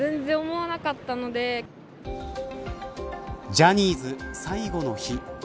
ジャニーズ最後の日。